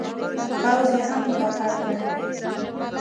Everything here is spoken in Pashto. پوځ یې هم ملاتړ ونه کړ.